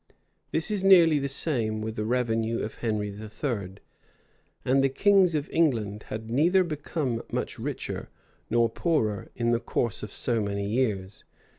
[*] This is nearly the same with the revenue of Henry III.; and the kings of England had neither become much richer nor poorer in the course of so many years.